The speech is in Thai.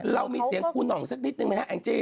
เรามีเสียงครูหน่องสักนิดนึงไหมฮะแองจี้